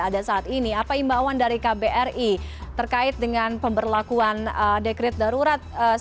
apakah ini utama untuk kesehatan stadikia